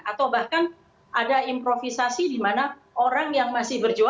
atau bahkan ada improvisasi di mana orang yang masih berjuang